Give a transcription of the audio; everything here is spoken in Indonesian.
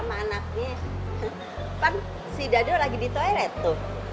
kan si dadok lagi di toilet tuh